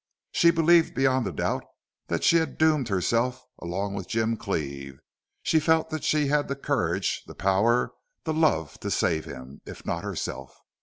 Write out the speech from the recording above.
She believed beyond a doubt that she had doomed herself along with Jim Cleve; she felt that she had the courage, the power, the love to save him, if not herself.